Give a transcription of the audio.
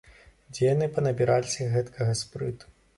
Дзе яны панабіраліся гэткага спрыту!